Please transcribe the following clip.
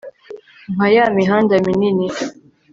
Nka ya mihanda minini